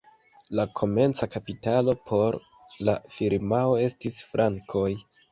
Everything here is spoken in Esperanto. La komenca kapitalo por la firmao estis frankoj.